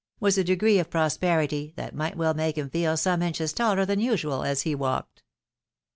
" was a degree of prosperity that might well make him feel some inches taller than usual as he walked.